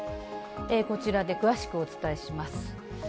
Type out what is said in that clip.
こちらで詳しくお伝えします。